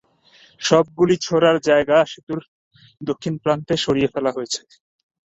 সব গুলি ছোঁড়ার জায়গা সেতুর দক্ষিণ প্রান্তে সরিয়ে ফেলা হয়েছে।